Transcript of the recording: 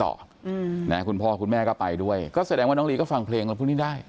อืมนะคุณพ่อคุณแม่ก็ไปด้วยก็แสดงว่าน้องลีก็ฟังเพลงอะไรพวกนี้ได้